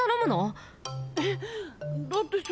えっだってさ